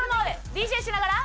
ＤＪしながら？